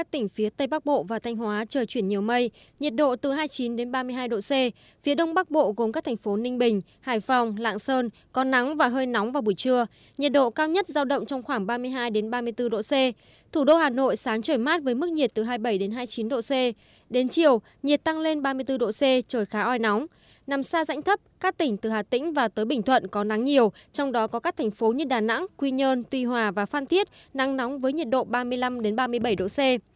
tỉnh và tới bình thuận có nắng nhiều trong đó có các thành phố như đà nẵng quy nhơn tuy hòa và phan thiết nắng nóng với nhiệt độ ba mươi năm ba mươi bảy độ c